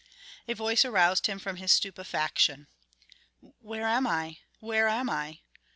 A voice aroused him from his stupefaction. "Where am I ... where am I?"